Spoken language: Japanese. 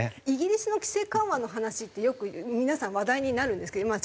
イギリスの規制緩和の話ってよく皆さん話題になるんですけど。